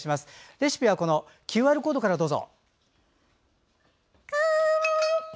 レシピはＱＲコードからどうぞ。